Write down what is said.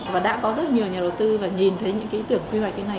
và đã có rất nhiều nhà đầu tư và nhìn thấy những ý tưởng quy hoạch như thế này